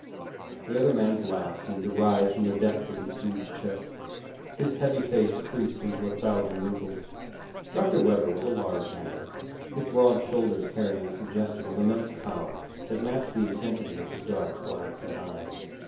The other man's laugh seemed to rise from the depths of his huge chest. His heavy face creased into a thousand wrinkles. Dr. Webber was a large man, his broad shoulders carrying a suggestion of immense power that matched the intensity of his dark, wide set eyes.